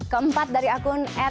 keempat dari akun